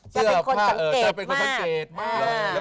เจอผ้าเออเจอเป็นคนสังเกตมาก